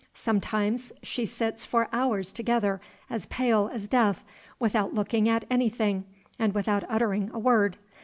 Sometimes she sits for hours together, as pale as death, without looking at anything, and without uttering a word.